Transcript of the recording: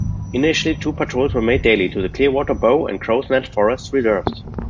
Initially, two patrols were made daily, to the Clearwater, Bow and Crowsnest Forest Reserves.